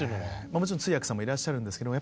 もちろん通訳さんもいらっしゃるんですけどやっぱりその